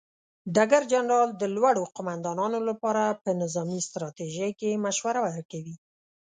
ډګر جنرال د لوړو قوماندانانو لپاره په نظامي ستراتیژۍ کې مشوره ورکوي.